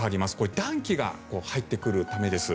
暖気が入ってくるためです。